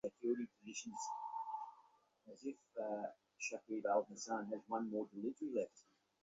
বাসা, ঘর, উঠোনের কি অবস্থা?